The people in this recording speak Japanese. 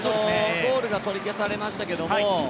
ゴールが取り消されましたけど